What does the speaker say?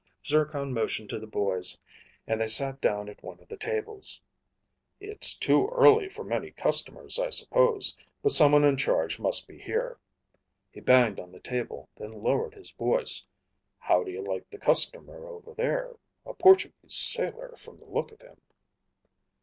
Zircon motioned to the boys and they sat down at one of the tables. "It's too early for many customers, I suppose. But someone in charge must be here." He banged on the table, then lowered his voice. "How do you like the customer over there? A Portuguese sailor, from the look of him."